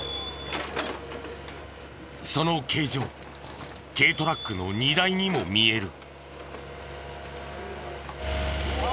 その形状軽トラックの荷台にも見える。